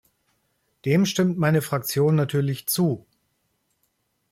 Dem stimmt meine Fraktion natürlich zu.